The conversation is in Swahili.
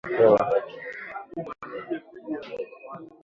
Ugonjwa wa miguu na midomo unaweza pia kuambukizwa kwa njia ya hewa